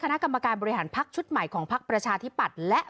คณะกรรมการบริหารพักชุดใหม่ของพักประชาธิปัตย์และ